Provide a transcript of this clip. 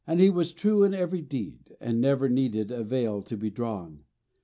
He was true in every deed, and never needed a veil to be drawn....